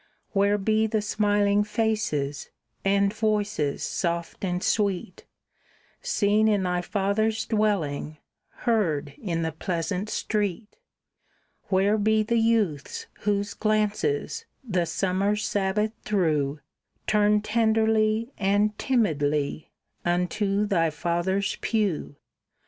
"Where be the smiling faces, and voices soft and sweet, Seen in thy father's dwelling, heard in the pleasant street? Where be the youths whose glances, the summer Sabbath through, Turned tenderly and timidly unto thy father's pew?